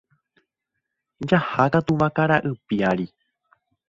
Jahákatu vakara'y piári.